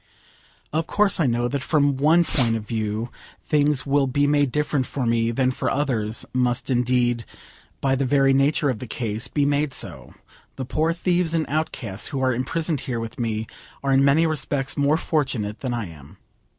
Of course I know that from one point of view things will be made different for me than for others; must indeed, by the very nature of the case, be made so. The poor thieves and outcasts who are imprisoned here with me are in many respects more fortunate than I am.